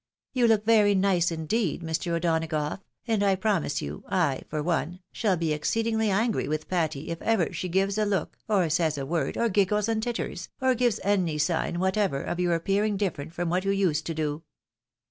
You look very nice indeed, Mr. O'Donagough, and I promise you I, for one, shall be exceedingly angry with Patty, if ever she gives a look, or says a word, or giggles and titters, or gives any sign whatever, of your appearing different from what you used to do."